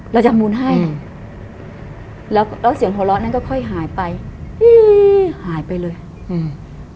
เราจะมูลให้อืมแล้วแล้วเสียงโทรล้อนั่นก็ค่อยหายไปหายไปเลยอืม